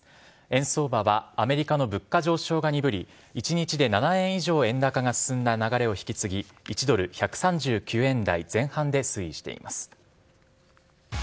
円相場はアメリカの物価上昇が鈍り、１日で７円以上円高が進んだ流れを引き継ぎ、１ドル１３９円台前半で推移しています。